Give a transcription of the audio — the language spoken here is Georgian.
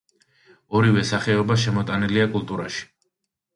ორივე სახეობა შემოტანილია კულტურაში.